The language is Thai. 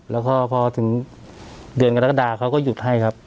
แล้วก็พอถึงเดือนกรกฎาเขาก็หยุดให้ครับ